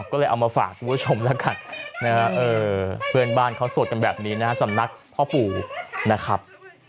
ก็เลยเอามาฝากคุณผู้ชมแล้วกันเพื่อนบ้านเขาสดกันแบบนี้นะสำนักพ่อปู่นะครับ